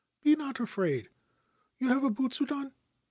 ' Be not afraid. You have a butsudan